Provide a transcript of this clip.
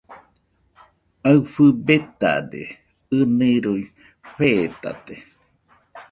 Aɨfɨ betade, ɨniroi fetate.